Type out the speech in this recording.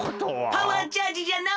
パワーチャージじゃのう！